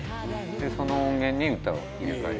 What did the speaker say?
でその音源に歌を入れ替えて。